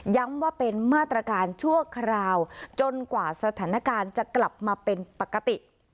ว่าเป็นมาตรการชั่วคราวจนกว่าสถานการณ์จะกลับมาเป็นปกติ